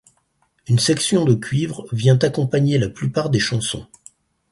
Une section de cuivres vient accompagner la plupart des chansons.